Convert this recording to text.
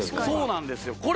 そうなんですよ